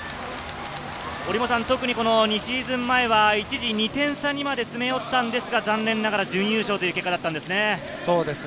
この２シーズン前は一時２点差にまで詰め寄ったんですが、残念ながら準優勝という結果だったんですよね。